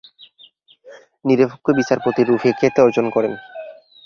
নিরপেক্ষ বিচারপতি রূপে খ্যাতি অর্জন করেন।